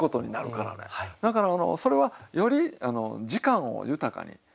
だからそれはより時間を豊かに。